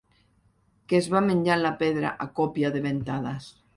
Que es va menjant la pedra a còpia de ventades.